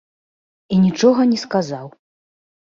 І нічога не сказаў.